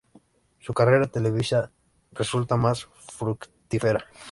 Su carrera televisiva resulta más fructífera.